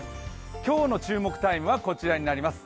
今日の注目タイムはこちらになります。